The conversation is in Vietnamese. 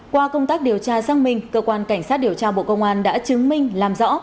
qua công tác điều tra xăng minh cơ quan cảnh sát điều tra bộ công an đã chứng minh làm rõ